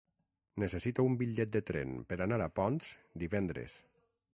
Necessito un bitllet de tren per anar a Ponts divendres.